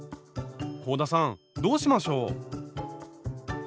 香田さんどうしましょう？